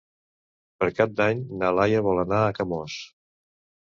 Per Cap d'Any na Laia vol anar a Camós.